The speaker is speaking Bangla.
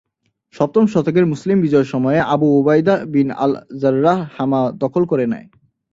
সপ্তম শতকের মুসলিম বিজয়ের সময়ে, আবু উবাইদাহ বিন আল-জাররাহ হামা দখল করে নেয়।